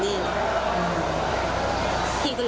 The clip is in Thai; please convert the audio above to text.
พี่ก็เลยองกใคร